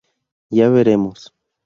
Ya veremos.